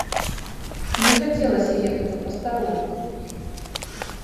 Не хацелася ехаць у пастарунак.